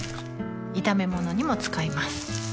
炒め物にも使います